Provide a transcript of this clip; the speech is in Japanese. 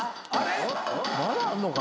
・まだあんのか？